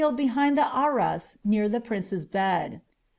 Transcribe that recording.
89 reded behind the arras near the princess bed.